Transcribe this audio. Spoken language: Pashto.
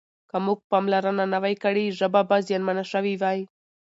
که موږ پاملرنه نه وای کړې ژبه به زیانمنه شوې وای.